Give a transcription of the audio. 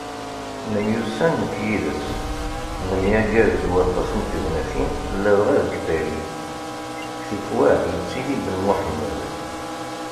Nemyussan nekk yid-s, nemyaggar deg waṭas n tegnatin, ladɣa deg Paris, tikwal yettili Ben Muḥemmed.